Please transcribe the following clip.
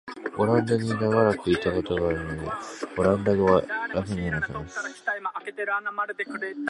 オランダに長らくいたことがあるので、オランダ語はらくに話せます。私は船長に、船賃はいくらでも出すから、オランダまで乗せて行ってほしいと頼みました。